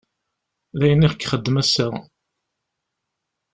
D ayen i ixeddem ass-agi.